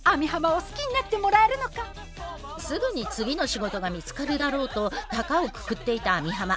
すぐに次の仕事が見つかるだろうとたかをくくっていた網浜。